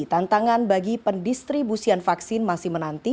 tantangan bagi pendistribusian vaksin masih menanti